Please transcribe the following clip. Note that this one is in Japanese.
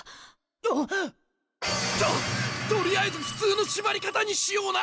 あっ！と取りあえず普通の縛り方にしような？